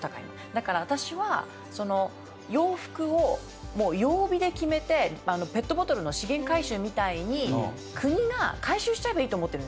だから私は洋服をもう曜日で決めてペットボトルの資源回収みたいに国が回収しちゃえばいいと思ってるんですよ。